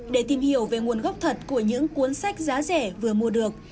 để tìm hiểu về nguồn gốc thật của những cuốn sách giá rẻ vừa mua được